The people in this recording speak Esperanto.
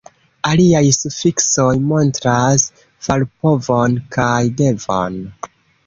Aliaj sufiksoj montras farpovon kaj devon.